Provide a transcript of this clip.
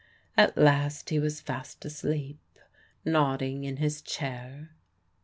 At last he was fast asleep, nodding in his chair.